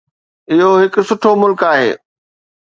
اهو هڪ سٺو ملڪ آهي.